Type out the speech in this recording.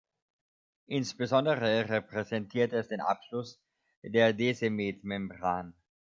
Insbesondere repräsentiert es den Abschluss der Descemet-Membran.